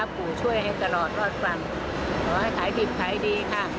ปู่ช่วยให้ตลอดรอดฟังขอให้ขายดี